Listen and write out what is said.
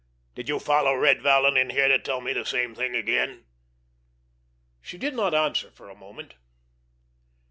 Did you follow Red Vallon in here to tell me the same thing again?" She did not answer for a moment.